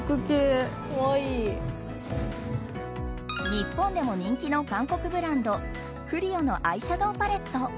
日本でも人気の韓国ブランドＣＬＩＯのアイシャドーパレット。